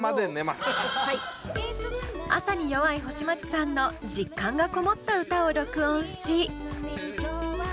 朝に弱い星街さんの実感がこもった歌を録音し。